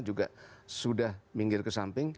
juga sudah minggir ke samping